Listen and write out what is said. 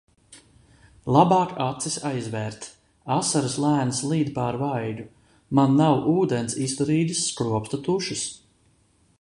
Labāk acis aizvērt. Asaras lēni slīd pār vaigu. Man nav ūdens izturīgas skropstu tušas.